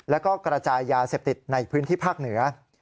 แล้วก็กระจายยาเสพติดในพื้นที่ภาคเหนือ